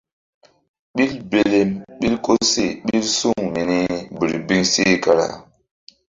Ɓil belem ɓil koseh ɓil suŋ mini birbiŋ seh kara.